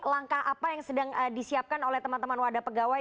langkah apa yang sedang disiapkan oleh teman teman wadah pegawai